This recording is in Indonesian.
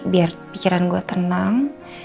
biar pikiran gue tenang